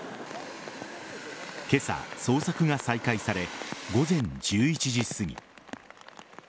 今朝、捜索が再開され午前１１時すぎ。